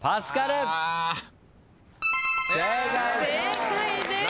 正解です。